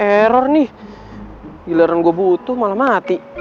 error nih giliran gua butuh malah mati